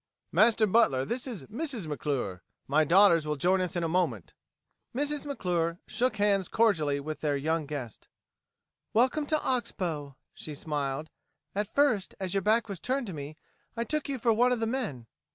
Master Butler, this is Mrs. McClure. My daughters will join us in a moment." Mrs. McClure shook hands cordially with their young guest. "Welcome to Ox Bow," she smiled. "At first, as your back was turned to me, I took you for one of the men.